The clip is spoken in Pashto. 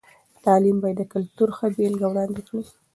تعلیم باید د کلتور ښه بېلګه وړاندې کړي.